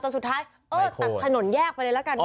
จนสุดท้ายตัดถนนแยกไปเลยละกัน